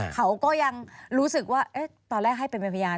เขาก็ยังรู้สึกว่าตอนแรกให้เป็นพยาน